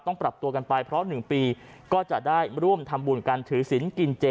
ปรับตัวกันไปเพราะ๑ปีก็จะได้ร่วมทำบุญกันถือศิลป์กินเจ